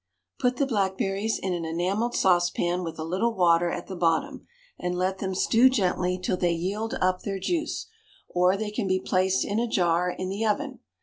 Put the blackberries in an enamelled saucepan with a little water at the bottom, and let them stew gently till they yield up their juice, or they can be placed in a jar in the oven.